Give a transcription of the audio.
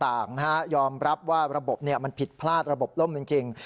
ต่างนะฮะยอมรับว่าระบบมันผิดพลาดระบบล่มจริง